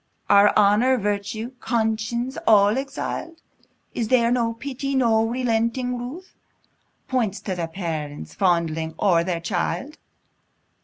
Are honour, virtue, conscience, all exil'd? Is there no pity, no relenting ruth, Points to the parents fondling o'er their child?